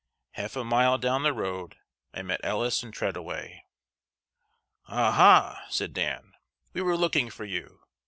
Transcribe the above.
Half a mile down the road. I met Ellis and Treadaway. "Ah ha!" said Dan, "we were looking for you.